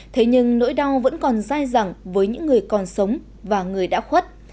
thế nhưng nỗi đau vẫn còn dai dẳng với những người còn sống và người đã khuất